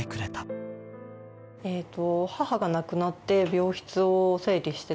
えっと。